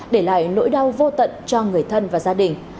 để lại nỗi đau vô tận cho người thân và gia đình